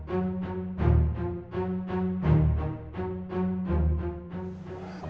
gak ada yang ngasih kabar ke saya